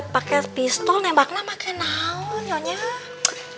pakai pistol nembaknya pakai naun yaudah